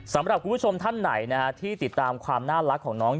สำหรับคุณผู้ชมท่านไหนที่ติดตามความน่ารักของน้อง